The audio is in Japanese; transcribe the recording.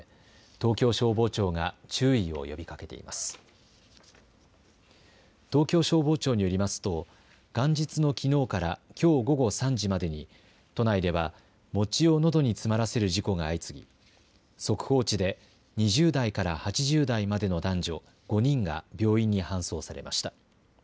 東京消防庁によりますと、元日のきのうからきょう午後３時までに都内では、餅をのどに詰まらせる事故が相次ぎ、速報値で２０代から８０代までの男女５人が病院に搬送されました。